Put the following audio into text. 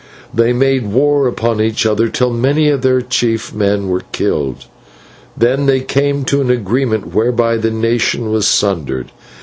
"They made war upon each other, till many of their chief men were killed; then they came to an agreement whereby the nation was sundered.